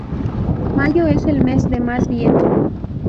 Mayo es el mes de más viento.